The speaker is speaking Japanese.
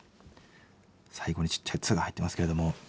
最後にちっちゃい「つ」が入ってますけれども。